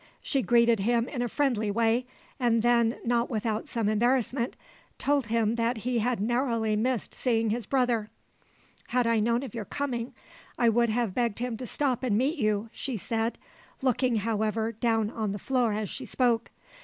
She greeted him in a friendly way, and then, not without some embarrassment, told him that he had narrowly missed seeing his brother. "Had I known of your coming, I would have begged him to stop and meet you," she said, looking, however, down on the floor as she spoke.